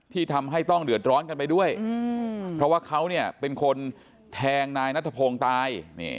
ที่ทำให้ต้องเดือดร้อนกันไปด้วยเพราะว่าเขาเนี่ยเป็นคนแทงนายนัทพงศ์ตาย